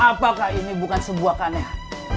apakah ini bukan sebuah kanehan